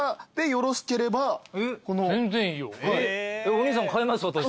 お兄さん買います私。